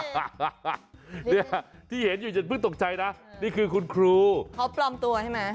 เนี่ยที่เห็นอยู่อย่าเพิ่งตกใจนะนี่คือคุณครูเขาปลอมตัวใช่ไหม